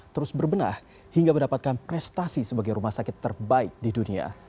terus berbenah hingga mendapatkan prestasi sebagai rumah sakit terbaik di dunia